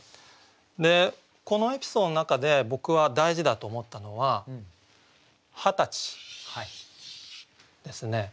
このエピソードの中で僕は大事だと思ったのは「二十歳」ですね。